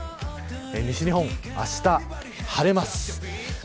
西日本、あしたは晴れます。